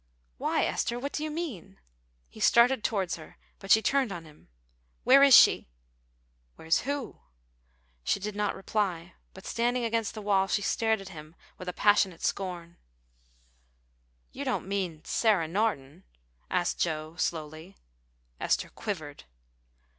"Why, Esther, what do you mean?" He started towards her, but she turned on him. "Where is she?" "Where's who?" She did not reply, but standing against the wall, she stared at him with a passionate scorn. "You don't mean Sarah Norton?" asked Joe, slowly. Esther quivered.